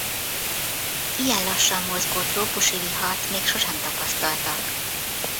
Ilyen lassan mozgó trópusi vihart még sosem tapasztaltak.